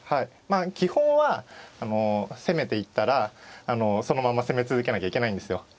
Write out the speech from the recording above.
基本は攻めていったらそのまま攻め続けなきゃいけないんですよ。